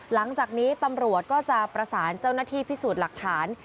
หลังจากนี้ตำรวจก็จะประสานเจ้าหน้าที่พิสูจน์หลักฐาน